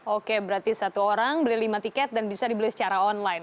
oke berarti satu orang beli lima tiket dan bisa dibeli secara online